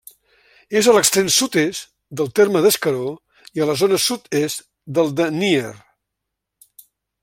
És a l'extrem sud-est del terme d'Escaró i a la zona sud-est del de Nyer.